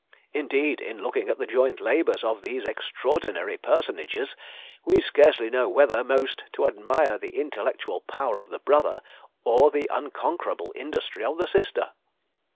Indeed, in looking at the joint labours of these extraordinary personages, we scarcely know whether most to admire the intellectual power of the brother, or the unconquerable industry of the sister.